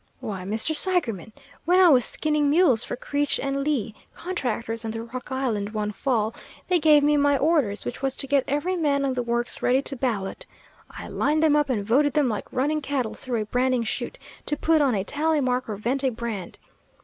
"Why, Mr. Seigerman, when I was skinning mules for Creech & Lee, contractors on the Rock Island, one fall, they gave me my orders, which was to get every man on the works ready to ballot. I lined them up and voted them like running cattle through a branding chute to put on a tally mark or vent a brand.